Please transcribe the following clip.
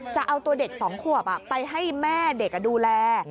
จะเอาตัวเด็ก๒ขวบไปให้แม่เด็กดูแล